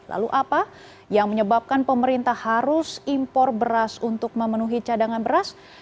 lalu apa yang menyebabkan pemerintah harus impor beras untuk memenuhi cadangan beras